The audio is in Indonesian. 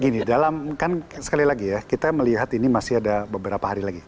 gini dalam kan sekali lagi ya kita melihat ini masih ada beberapa hari lagi